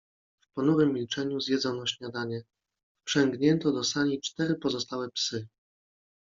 W ponurym milczeniu zjedzono śniadanie. Wprzęgnięto do sani cztery pozostałe psy.